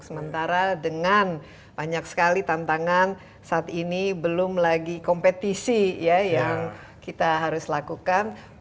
sementara dengan banyak sekali tantangan saat ini belum lagi kompetisi yang kita harus lakukan